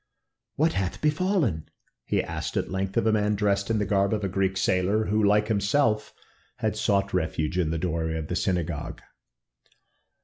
"What hath befallen?" he asked at length of a man dressed in the garb of a Greek sailor, who, like himself, had sought refuge in the doorway of the synagogue.